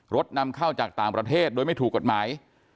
นำเข้าจากต่างประเทศโดยไม่ถูกกฎหมาย